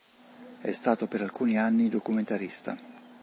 È stato per alcuni anni documentarista.